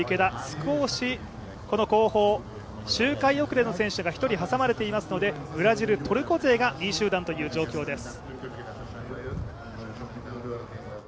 少し後方、周回遅れの選手が１人挟まれていますのでブラジル、トルコ勢が２位集団という状況です。